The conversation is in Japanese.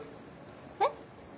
えっ？